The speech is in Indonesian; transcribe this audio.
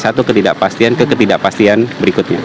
satu ketidakpastian ke ketidakpastian berikutnya